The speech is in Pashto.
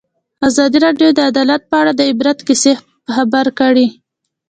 ازادي راډیو د عدالت په اړه د عبرت کیسې خبر کړي.